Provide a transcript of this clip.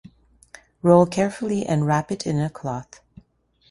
Roll carefully, and wrap it in a cloth.